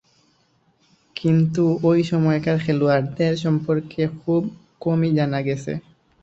কিন্তু ঐ সময়কার খেলোয়াড়দের সম্পর্কে খুব কমই জানা গেছে।